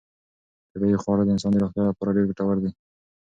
طبیعي خواړه د انسان د روغتیا لپاره ډېر ګټور دي.